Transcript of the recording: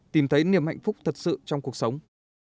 tìm thấy niềm hạnh phúc thật sự trong cuộc sống